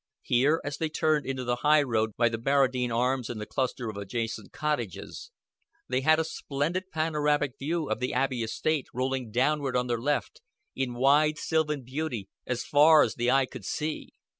Here, as they turned into the highroad by the Barradine Arms and the cluster of adjacent cottages, they had a splendid panoramic view of the Abbey estate rolling downward on their left in wide, sylvan beauty as far as the eye could see.